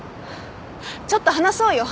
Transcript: ちょっと話そうよ。